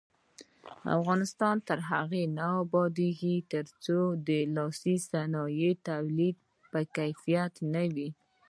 افغانستان تر هغو نه ابادیږي، ترڅو د لاسي صنایعو تولید په کیفیت نه وي.